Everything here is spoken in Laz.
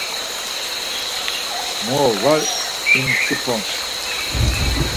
Mo var imsipon.